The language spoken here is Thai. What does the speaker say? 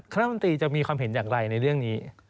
ข้างนัดภัณฑ์ตีจะมีความเห็นอย่างไรในเรื่องนี้